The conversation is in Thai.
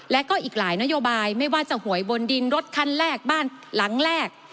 และก็อีกหลายนโยบายไม่ว่าจะหวยบนดินรถคันแรกบ้านหลังแรก